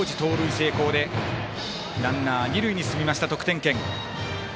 成功でランナー二塁に進みました得点圏。